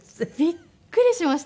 びっくりしました。